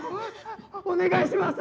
お願いします！